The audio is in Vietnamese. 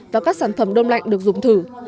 và các sản phẩm đông lạnh được dùng thử